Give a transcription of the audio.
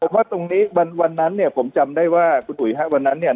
ว่าตรงนี้วันนั้นเนี่ยผมจำได้ว่าคุณอุ๋ยฮะวันนั้นเนี่ย